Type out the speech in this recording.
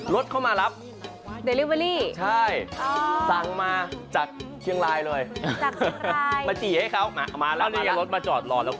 รถเข้ามารับเดลิเวอรี่ใช่สั่งมาจากเชียงรายเลยมาจี๋ให้เขาอันนี้รถมาจอดรอดแล้วคุ้น